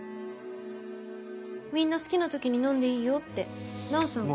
みんな好きな時に飲んでいいよってナオさんが。